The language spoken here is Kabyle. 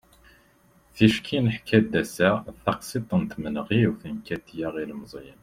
ticki neḥka-d ass-a taqsiḍt n tmenɣiwt n katia i yilmeẓyen